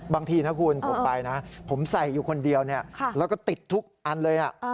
บางทีนะคุณผมไปนะผมใส่อยู่คนเดียวแล้วก็ติดทุกอันเลยนะ